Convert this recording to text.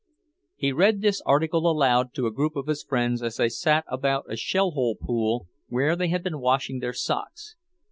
He read this article aloud to a group of his friends as they sat about a shell hole pool where they had been washing their socks.